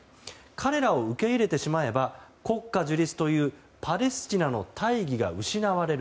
彼らを受け入れてしまえば国家樹立というパレスチナの大義が失われる。